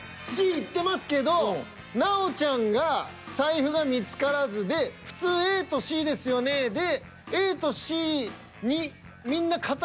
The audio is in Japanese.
Ｃいってますけど奈緒ちゃんが財布が見つからずで普通ＡとＣですよねで。